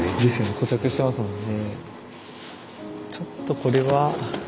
固着してますもんね。